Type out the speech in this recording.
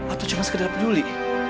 atau cuma sekedar peduli